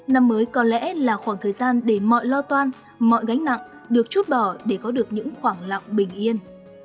năm mới có lẽ là khoảng thời gian để mọi lo toan mọi gánh nặng được chút bỏ để có được những khoảng lặng bình yên